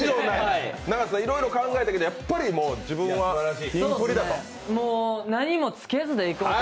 いろいろ考えたけど、やっぱり自分はキンプリだと。